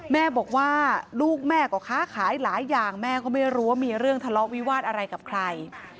แม่บอกว่าลูกแม่ก็ค้าขายหลายอย่างแม่ก็ไม่รู้ว่ามีเรื่องทะเลาะวิวาสอะไรกับใคร